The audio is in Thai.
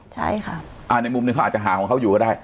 ใช่ค่ะอ่าในมุมหนึ่งเขาอาจจะหาของเขาอยู่ก็ได้